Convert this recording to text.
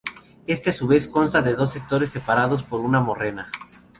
Éste a su vez consta de dos sectores separados por una morrena.